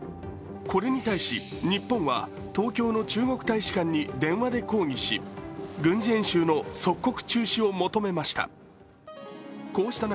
これに対し、日本は東京の中国大使館に電話で抗議し、軍事演習の即刻中止を求めました。